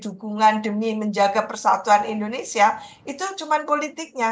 dukungan demi menjaga persatuan indonesia itu cuma politiknya